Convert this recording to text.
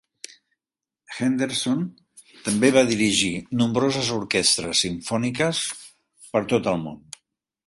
Henderson també va dirigir nombroses orquestres simfòniques per tot el món.